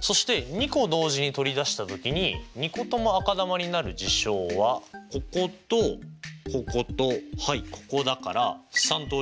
そして２個同時に取り出した時に２個とも赤球になる事象はこことこことここだから３通り。